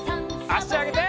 あしあげて。